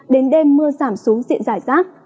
đến đêm mưa giảm xuống diện rải rác